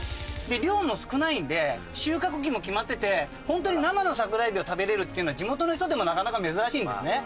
量も少ないんで収穫期も決まっててホントに生の桜えびを食べられるっていうのは地元の人でもなかなか珍しいんですね。